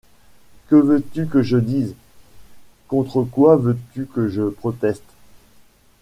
Que veux-tu que je dise? Contre quoi veux-tu que je proteste ?